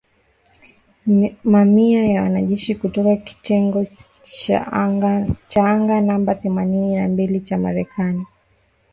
Mamia ya wanajeshi kutoka kitengo cha anga namba themanini na mbili cha Marekani